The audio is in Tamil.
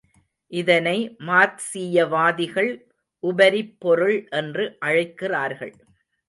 இதனை மார்க்சீயவாதிகள் உபரிப்பொருள் என்று அழைக்கிறார்கள்.